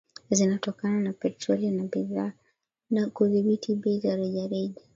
zinazotokana na petroli na kudhibiti bei za rejareja